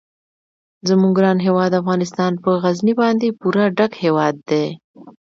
زموږ ګران هیواد افغانستان په غزني باندې پوره ډک هیواد دی.